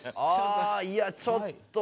あいやちょっと。